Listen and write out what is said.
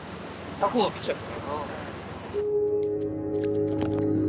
タコが食っちゃった？